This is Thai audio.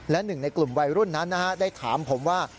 และหนึ่งในกลุ่มวัยรุ่นนั้นได้ถามผมว่า